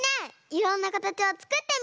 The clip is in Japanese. いろんなかたちをつくってみたい！